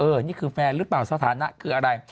นี่คือแฟนหรือเปล่าสถานะคืออะไร